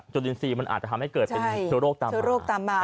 จุลินทรีย์มันอาจจะทำให้เกิดเป็นเชื้อโรคตามมา